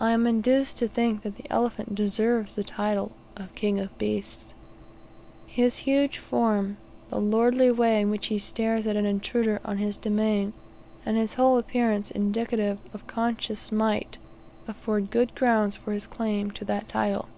I am induced to think that the elephant deserves the title of "king of beasts." His huge form, the lordly way in which he stares at an intruder on his domain, and his whole appearance indicative of conscious might, afford good grounds for his claim to that title.